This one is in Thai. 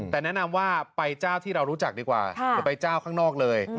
แต่แนะนำว่าไปเจ้าที่เรารู้จักดีกว่าอย่าไปเจ้าข้างนอกเลย